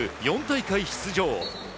４大会出場。